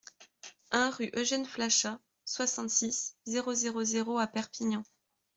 un rue Eugene Flachat, soixante-six, zéro zéro zéro à Perpignan